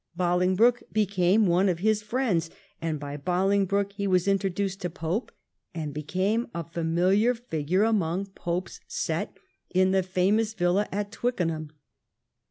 Bolingbroke became one of his friends, and by Bolingbroke he was introduced to Pope, and became a familiar figure among Pope's set in the famous villa at Twickenham.